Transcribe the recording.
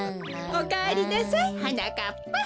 おかえりなさいはなかっぱ。